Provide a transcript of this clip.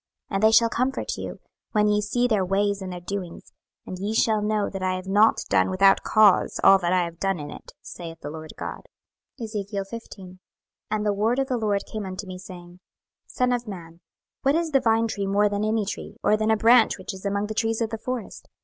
26:014:023 And they shall comfort you, when ye see their ways and their doings: and ye shall know that I have not done without cause all that I have done in it, saith the Lord GOD. 26:015:001 And the word of the LORD came unto me, saying, 26:015:002 Son of man, what is the vine tree more than any tree, or than a branch which is among the trees of the forest?